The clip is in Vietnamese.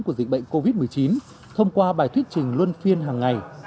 của dịch bệnh covid một mươi chín thông qua bài thuyết trình luân phiên hàng ngày